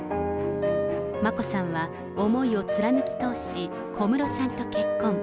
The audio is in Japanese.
眞子さんは思いを貫き通し、小室さんと結婚。